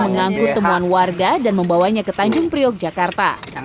mengangkut temuan warga dan membawanya ke tanjung priok jakarta